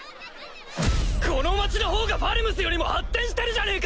この町のほうがファルムスよりも発展してるじゃねえか！